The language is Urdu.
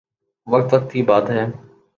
وقت وقت کی بات ہے